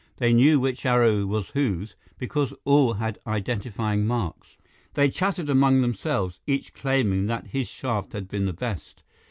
They knew which arrow was whose, because all had identifying marks. They chattered among themselves, each claiming that his shaft had been the best.